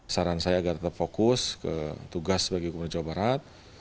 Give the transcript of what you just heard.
saran saya agar tetap fokus ke tugas bagi gubernur jawa barat